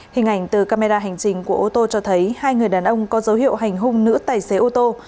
hình ảnh từ camera hành trình của ô tô cho thấy hai người đàn ông có dấu hiệu hành hung nữ tài xế ô tô